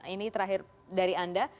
ini terakhir dari anda